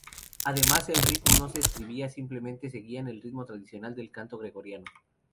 Además el ritmo no se escribía, simplemente seguían el ritmo tradicional del canto gregoriano.